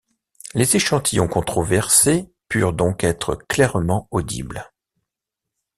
Les échantillons controversés purent donc être clairement audibles.